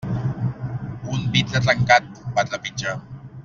Un vidre trencat, va trepitjar.